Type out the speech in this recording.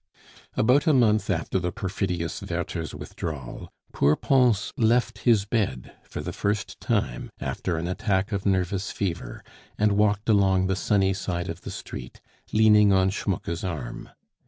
About a month after the perfidious Werther's withdrawal, poor Pons left his bed for the first time after an attack of nervous fever, and walked along the sunny side of the street leaning on Schmucke's arm.